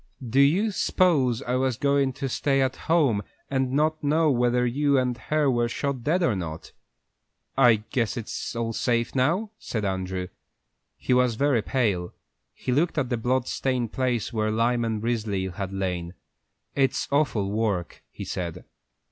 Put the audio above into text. "Do you s'pose I was goin' to stay at home, and not know whether you and her were shot dead or not?" "I guess it's all safe now," said Andrew. He was very pale. He looked at the blood stained place where Lyman Risley had lain. "It's awful work," he said.